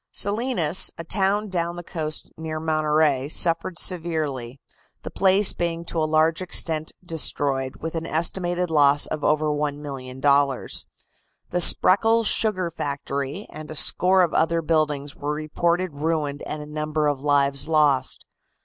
Salinas, a town down the coast near Monterey, suffered severely, the place being to a large extent destroyed, with an estimated loss of over $1,000,000. The Spreckels' sugar factory and a score of other buildings were reported ruined and a number of lives lost.